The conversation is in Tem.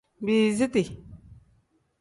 Biiziti.